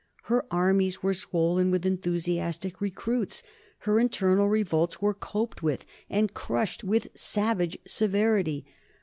Her armies were swollen with enthusiastic recruits. Her internal revolts were coped with and crushed with savage severity.